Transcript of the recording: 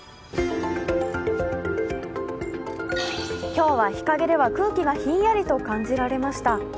今日は日陰では空気がひんやりと感じられました。